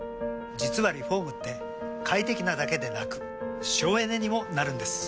実はリフォームって快適なだけでなく省エネにもなるんです。